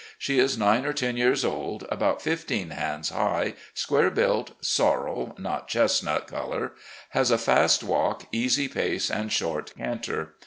She is nine or ten years old, about fifteen hands high, square built, sorrel (not chestnut) colour, has a fast walk, easy pace, and short canter.